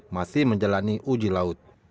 masih menjalani uji laut